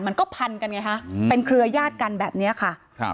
มันก็พันกันไงฮะเป็นเครือยาศกันแบบนี้ค่ะครับ